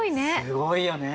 すごいよね。